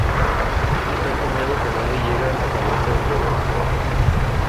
Tiene tanto miedo que no le llega la camisa al cuerpo